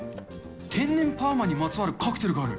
天然パーマにまつわるカクテルがある。